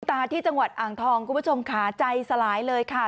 ตาที่จังหวัดอ่างทองคุณผู้ชมค่ะใจสลายเลยค่ะ